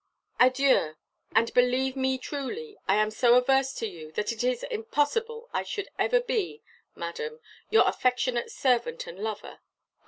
Adieu, and believe me truly, I am so averse to you, that it is impossible I should ever be, Madam, your Affectionate Servant and Lover.